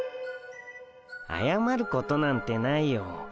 あやまることなんてないよ。